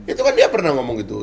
itu kan dia pernah ngomong gitu